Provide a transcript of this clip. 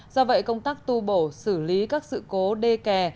do vậy công tác tu bổ xử lý các sự cố đê kè